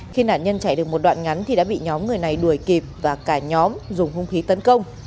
khi nạn nhân chạy được một đoạn ngắn thì đã bị nhóm người này đuổi kịp và cả nhóm dùng hung khí tấn công